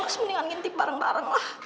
lu harus mendingan ngintip bareng bareng lah